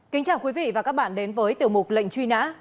kính chào quý vị và các bạn đến với tiểu mục lệnh truy nã